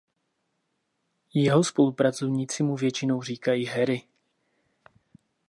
Jeho spolupracovníci mu většinou říkají Harry.